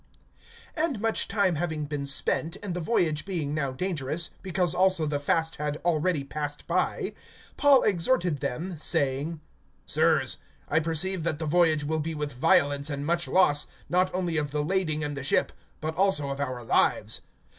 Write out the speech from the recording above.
(9)And much time having been spent, and the voyage being now dangerous, because also the fast had already passed by, Paul exhorted them, (10)saying: Sirs, I perceive that the voyage will be with violence and much loss, not only of the lading and the ship, but also of our lives.